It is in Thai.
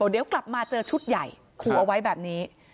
เดี๋ยวกลับมาเจอชุดใหญ่ขู่เอาไว้แบบนี้